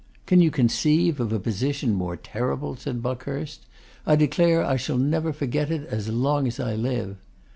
'Can you conceive a position more terrible?' said Buckhurst. 'I declare I shall never forget it as long as I live.